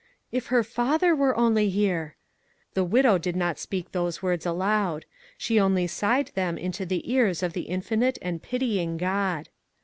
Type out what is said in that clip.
"If her father were only here!" The widow did not speak those words aloud. She only sighed them into the ears of the infinite and pitying God.